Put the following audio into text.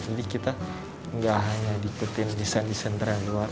jadi kita gak hanya diikuti desain desain terakhir